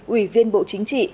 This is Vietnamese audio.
ủy viên bộ chính trị